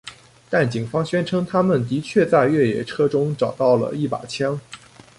但警方宣称他们的确在越野车中找到了一把枪。